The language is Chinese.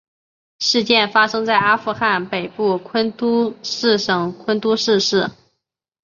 事件发生在阿富汗北部昆都士省昆都士市。